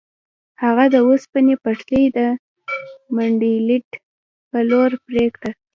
هغه د اوسپنې پټلۍ د مینډلینډ په لور پرې کړه.